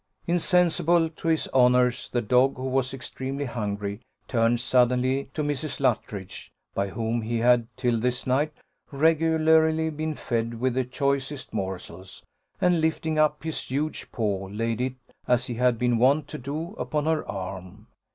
Insensible to his honours, the dog, who was extremely hungry, turned suddenly to Mrs. Luttridge, by whom he had, till this night, regularly been fed with the choicest morsels, and lifting up his huge paw, laid it, as he had been wont to do, upon her arm.